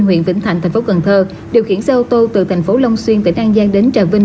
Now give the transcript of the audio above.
huyện vĩnh thạnh thành phố cần thơ điều khiển xe ô tô từ thành phố long xuyên tỉnh an giang đến trà vinh